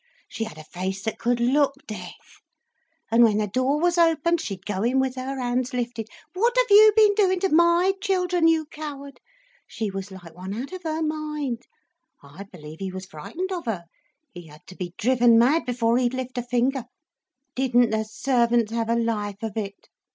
She had a face that could look death. And when the door was opened, she'd go in with her hands lifted—'What have you been doing to my children, you coward.' She was like one out of her mind. I believe he was frightened of her; he had to be driven mad before he'd lift a finger. Didn't the servants have a life of it!